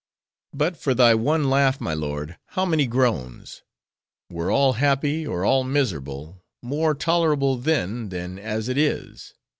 "But for thy one laugh, my lord, how many groans! Were all happy, or all miserable,—more tolerable then, than as it is.